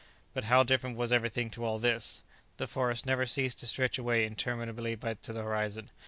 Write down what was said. But how different was everything to all this! The forest never ceased to stretch away interminably to the horizon.